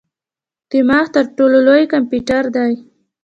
دماغ تر ټولو لوی کمپیوټر دی.